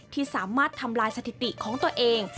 ที่สามารถทำลายสถิติของตัวเอง